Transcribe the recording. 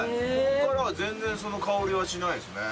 ここからは全然その香りはしないですね。